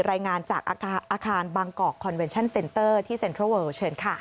รายงานจากอาคารบางกอกคอนเวนชั่นเซ็นเตอร์ที่เซ็นทรัลเวิลเชิญค่ะ